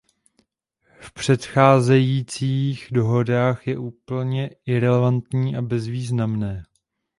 V předcházejících dohodách je úplně irelevantní a bezvýznamné.